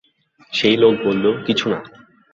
সেই লোক বলল, কিছু না।